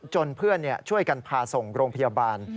เพื่อนช่วยกันพาส่งโรงพยาบาล